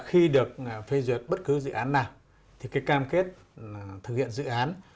khi được phê duyệt bất cứ dự án nào thì cái cam kết là thực hiện dự án